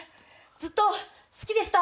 ずっと好きでした！